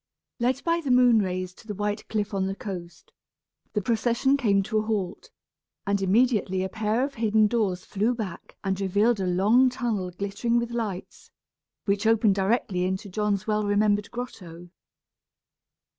Led by the moon rays to the white cliff on the coast, the procession came to a halt; and immediately a pair of hidden doors flew back and revealed a long tunnel glittering with lights, which opened directly into John's well remembered grotto.